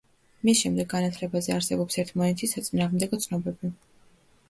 მის შემდეგ განათლებაზე არსებობს ერთმანეთის საწინააღმდეგო ცნობები.